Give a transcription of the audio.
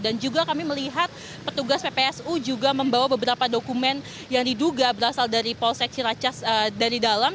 dan juga kami melihat petugas ppsu juga membawa beberapa dokumen yang diduga berasal dari polsek ciracas dari dalam